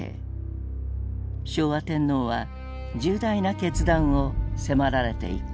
昭和天皇は重大な決断を迫られていく。